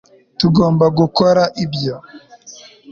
tugomba gukora ibyo